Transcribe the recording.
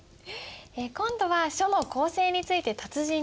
今度は書の構成について達人にお聞きします。